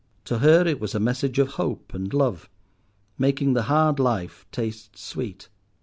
To her it was a message of hope and love, making the hard life taste sweet.